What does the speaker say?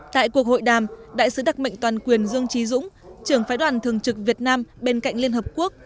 tại cuộc hội đàm đại sứ đặc mệnh toàn quyền dương trí dũng trưởng phái đoàn thường trực việt nam bên cạnh liên hợp quốc